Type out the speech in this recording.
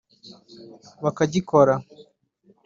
bakagikora